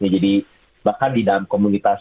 jadi bahkan di dalam komunitas